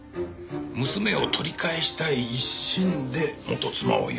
娘を取り返したい一心で元妻を呼び出しブスッと。